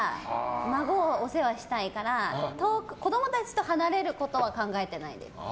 孫をお世話したいから子供たちと離れることは考えてないです。